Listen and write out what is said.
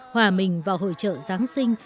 hòa mình vào hội trợ giáng sinh